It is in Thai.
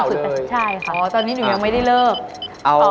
ว่าเก่าเลยอ๋อตอนนี้หนูยังไม่ได้เลิกเอา